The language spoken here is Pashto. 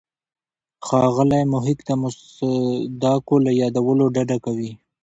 ښاغلی محق د مصادقو له یادولو ډډه کوي.